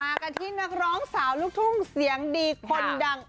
กันที่นักร้องสาวลูกทุ่งเสียงดีคนดัง